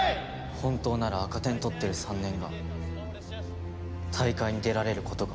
本当なら赤点取ってる３年が大会に出られる事が。